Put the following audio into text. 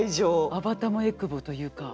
あばたもえくぼというか。